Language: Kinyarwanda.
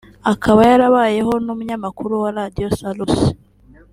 akaba yarabayeho n’umunyamakuru wa Radio Salus